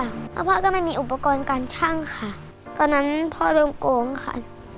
แล้วพ่อก็ไม่มีอุปกรณ์การชั่งค่ะตอนนั้นพ่อโดนโกงค่ะ